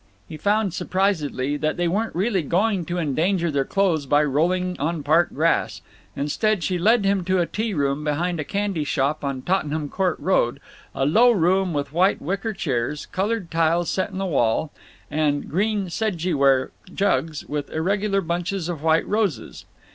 He found, surprisedly, that they weren't really going to endanger their clothes by rolling on park grass. Instead, she led him to a tea room behind a candy shop on Tottenham Court Road, a low room with white wicker chairs, colored tiles set in the wall, and green Sedji ware jugs with irregular bunches of white roses.